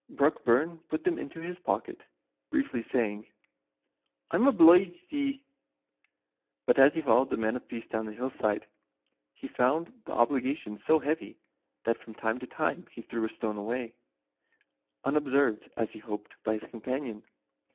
"] Brockburn put them into his pocket, briefly saying, "I'm obleeged to ye;" but as he followed the Man of Peace down the hill side, he found the obligation so heavy, that from time to time he threw a stone away, unobserved, as he hoped, by his companion.